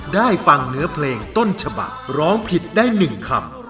ได้ฟังเนื้อเพลงต้นฉบักร้องผิดได้๑คำ